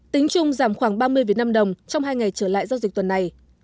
tính chung giảm khoảng ba mươi việt nam đồng trong hai ngày trở lại giao dịch tuần này